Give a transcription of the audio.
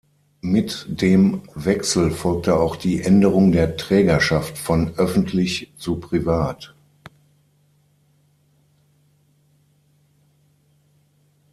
Mit dem Wechsel folgte auch die Änderung der Trägerschaft von öffentlich zu privat.